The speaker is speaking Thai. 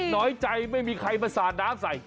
น้อยใจไม่มีใครมาสาดน้ำใส่